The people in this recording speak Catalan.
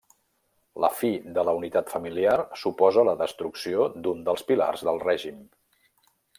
La fi de la unitat familiar suposa la destrucció d'un dels pilars del règim.